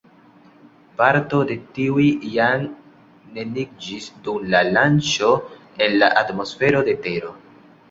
Parto de tiuj jam neniiĝis dum la lanĉo en la atmosfero de Tero.